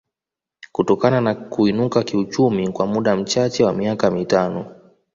kutokana na kuinuka kiuchumi kwa muda mchache wa miaka mitano